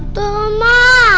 tante aku mau